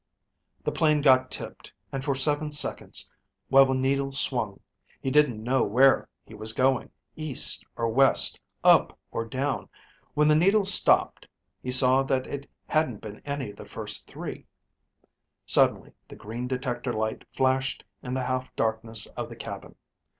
The plane got tipped, and for seven seconds, while the needles swung, he didn't know where he was going, east or west, up or down. When the needles stopped, he saw that it hadn't been any of the first three. Suddenly the green detector light flashed in the half darkness of the cabin.